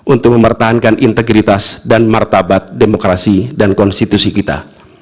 untuk mempertahankan integritas dan martabat demokrasi dan konstitusi kita